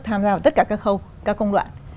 tham gia vào tất cả các khâu các công đoạn